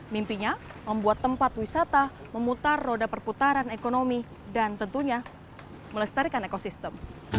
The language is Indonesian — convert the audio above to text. mimpinya membuat tempat wisata memutar roda perputaran ekonomi dan tentunya melestarikan ekosistem